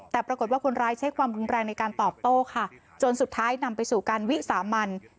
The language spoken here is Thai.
แต่ปรากฏว่าคนร้ายใช้ความรุนแรงในการตอบโต้ค่ะจนสุดท้ายนำไปสู่การวิสามัน